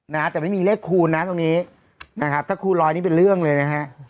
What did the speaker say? นะฮะแต่ไม่มีเลขคูณนะตรงนี้นะครับถ้าคูณร้อยนี่เป็นเรื่องเลยนะฮะ